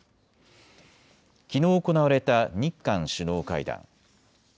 きのう行われた日韓首脳会談。